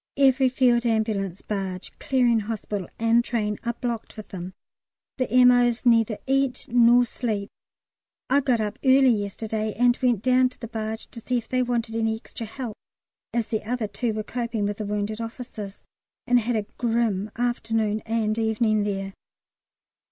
Every Field Ambulance, barge, Clearing Hospital, and train are blocked with them. The M.O.'s neither eat nor sleep. I got up early yesterday and went down to the barge to see if they wanted any extra help (as the other two were coping with the wounded officers), and had a grim afternoon and evening there.